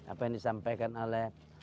apa yang disampaikan oleh